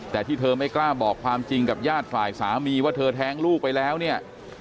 แต่ที่เธอไม่กล้าบอกความจริงกับญาติฝ่ายสามีว่าเธอแท้งลูกไปแล้วเนี่ย